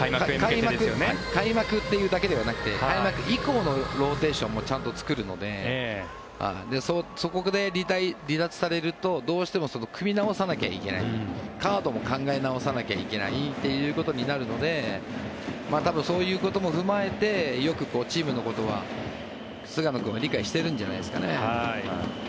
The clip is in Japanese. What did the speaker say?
開幕というだけではなくて開幕以降のローテーションもちゃんと作るのでそこで離脱されるとどうしても組み直さなきゃいけないカードも考え直さなきゃいけないということになるので多分、そういうことも踏まえてよくチームのことは菅野君は理解してるんじゃないですかね。